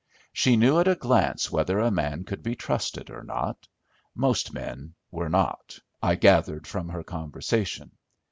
She knew at a glance whether a man could be trusted or not; most men were not, I gathered from her conversation.